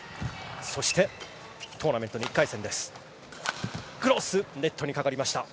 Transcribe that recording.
そしてトーナメントの１回戦。